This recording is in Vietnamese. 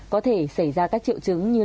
có thể xảy ra các triệu chứng như